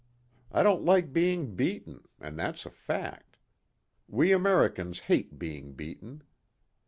I don't like being beaten, and that's a fact. We Americans hate being beaten.